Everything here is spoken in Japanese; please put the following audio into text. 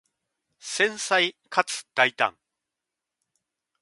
繊細かつ大胆